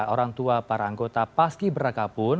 orang tua para anggota paski beraka pun